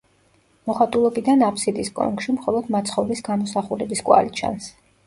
მოხატულობიდან აფსიდის კონქში მხოლოდ მაცხოვრის გამოსახულების კვალი ჩანს.